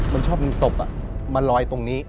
มันชอบมีศพอ่ะมาลอยตรงนี้